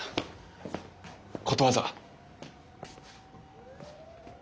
ことわざ。